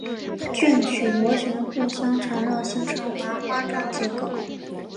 卷曲螺旋互相缠绕形成麻花状结构。